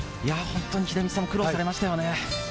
秀道さんも苦労されましたね。